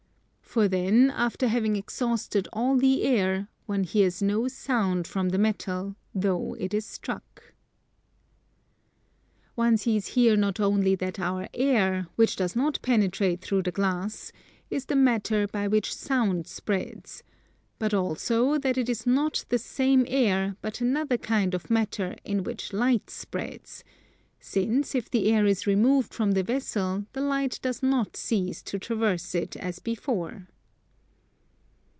For then after having exhausted all the air one hears no Sound from the metal, though it is struck. One sees here not only that our air, which does not penetrate through glass, is the matter by which Sound spreads; but also that it is not the same air but another kind of matter in which Light spreads; since if the air is removed from the vessel the Light does not cease to traverse it as before.